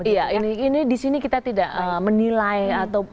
iya ini disini kita tidak menilai atau